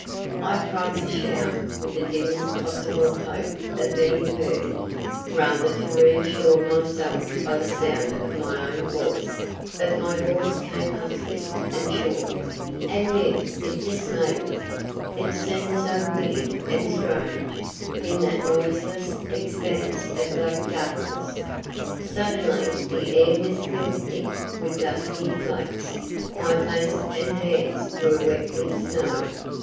I tried to shout—with the dimmest possible hope of being heard—rather to reassure myself by the sound of my own voice; but my voice came husky and short, and yet it dismayed me; it seemed so weird and strange, in that noiseless expanse of black darkness. Suddenly the air was filled thick with dusky flakes, my face and hands were wet with snow.